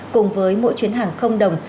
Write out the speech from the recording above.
cùng với mỗi chuyến hàng không đồng